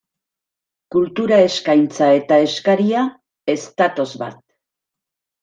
Kultura eskaintza eta eskaria ez datoz bat.